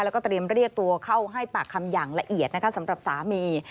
แล้วก็เตรียมเรียกตัวเข้าให้ปากคำอย่างละเอียดนะคะสำหรับสามี